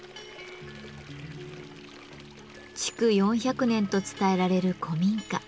築４００年と伝えられる古民家。